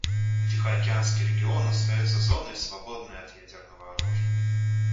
Тихоокеанский регион остается зоной, свободной от ядерного оружия.